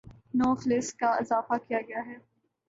نو فلس کا اضافہ کیا گیا ہے